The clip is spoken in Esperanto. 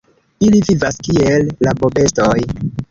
Ili vivas kiel rabobestoj.